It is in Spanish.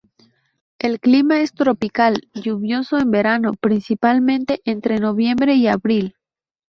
El clima es tropical, lluvioso en verano, principalmente entre noviembre y abril.